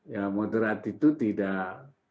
ya moderat itu tidak